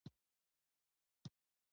هغې خپلو دوو ګډوډو ګاونډیانو ته وکتل